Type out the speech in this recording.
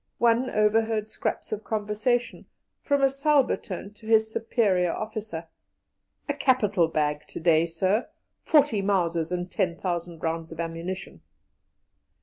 One overheard scraps of conversation, from a subaltern to his superior officer: "A capital bag to day, sir. Forty Mausers and ten thousand rounds of ammunition."